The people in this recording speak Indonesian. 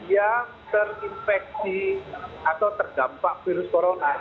yang terinfeksi atau terdampak virus corona